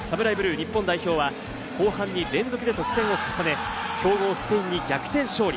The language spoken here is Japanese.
日本代表は後半に連続で得点を重ね、強豪・スペインに逆転勝利。